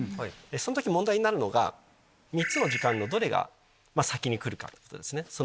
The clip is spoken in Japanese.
その時問題になるのが３つの時間のどれが先に来るかってことですね。